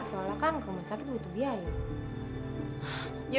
soalnya kan rumah sakit butuh biaya